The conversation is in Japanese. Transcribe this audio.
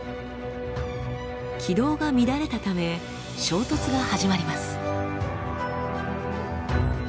軌道が乱れたため衝突が始まります。